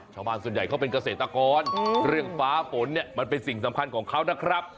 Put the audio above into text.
ชาวบ้านส่วนใหญ่เขาเป็นเกษตรกรเรื่องฟ้าฝนเนี่ยมันเป็นสิ่งสำคัญของเขานะครับ